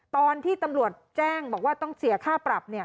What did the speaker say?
ตอนที่ตำรวจแจ้งบอกว่าต้องเสียค่าปรับ